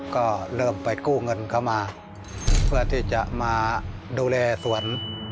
ก็เริ่มไปกู้เงินเข้ามาเพื่อที่จะมาดูแลสวน